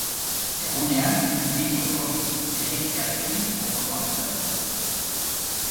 Egunean bi otordu egitearekin konformatu behar dugu.